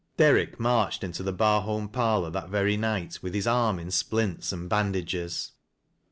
Derrick marched into the Barholm parlor that verj nijjht with his arm in splints and bandages.